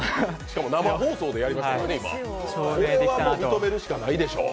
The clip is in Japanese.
生放送でやりましたからね、これは認めるしかないでしょう。